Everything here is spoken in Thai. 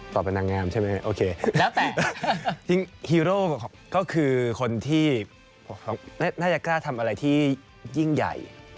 เป็นนางงามใช่ไหมโอเคแล้วแต่ยิ่งฮีโร่ก็คือคนที่น่าจะกล้าทำอะไรที่ยิ่งใหญ่